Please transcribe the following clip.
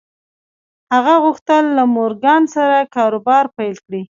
هغه غوښتل له مورګان سره کاروبار پیل کړي